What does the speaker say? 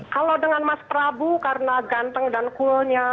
kalau dengan mas prabu karena ganteng dan coolnya